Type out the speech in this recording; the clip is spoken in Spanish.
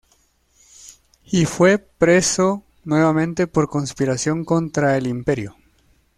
Y fue preso nuevamente por conspiración contra el imperio.